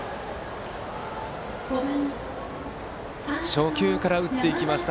初球から打っていきました。